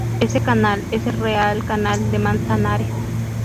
Este canal es el Real Canal del Manzanares.